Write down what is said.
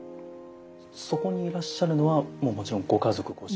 そこにいらっしゃるのはもちろんご家族ご親族。